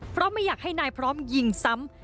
เพราะไม่อยากให้นายพร้อมยิงซ้ำ